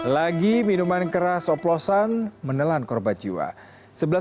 lagi minuman keras oplosan menelan korban jiwa